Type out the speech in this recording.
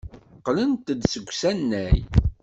Qqlent-d seg usanay.